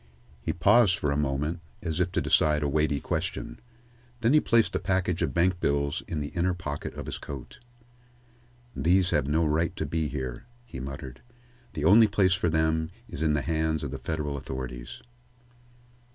He paused for a moment, as if deciding a weighty question. Then he placed the package of bank bills in the inner pocket of his coat. "These have no right to be here," he muttered. "The only place for them is in the hands of the federal authorities."